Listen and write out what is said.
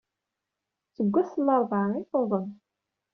Seg wass n laṛebɛa ay tuḍen.